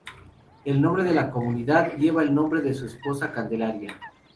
El nombre de la comunidad lleva el nombre de su esposa Candelaria.